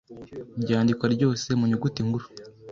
ryandikwa ryose mu nyuguti nkuru